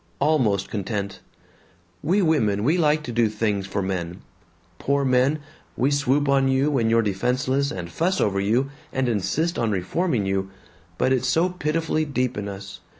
... Almost content! "We women, we like to do things for men. Poor men! We swoop on you when you're defenseless and fuss over you and insist on reforming you. But it's so pitifully deep in us.